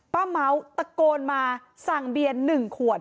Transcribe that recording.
ป้าเหมาตะโกนมาสั่งเบียน๑ขวด